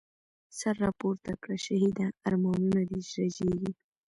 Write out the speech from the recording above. سر راپورته کړه شهیده، ارمانونه دي رژیږی